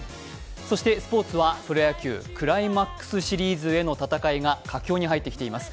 そしてスポーツはプロ野球、クライマックスシリーズへの戦いが佳境に入ってきています。